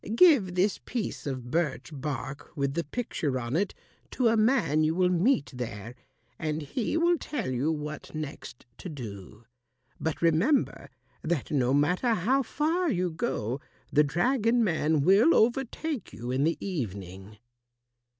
Give this piece of birch bark with the picture on it to a man you will meet there, and he will tell you what next to do. But remember that no matter how far you go, the dragon man will overtake you in the evening."